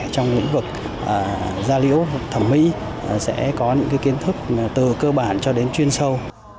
trong lĩnh vực da liễu thẩm mỹ sẽ có những kiến thức từ cơ bản cho đến chuyên sâu